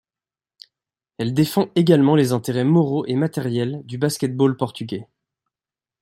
Elle défend également les intérêts moraux et matériels du basket-ball portugais.